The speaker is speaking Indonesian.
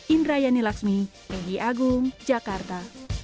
indra yani laxmi edy agung jakarta